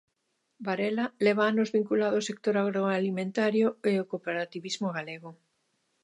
Varela leva anos vinculado ao sector agroalimentario e ao cooperativismo galego.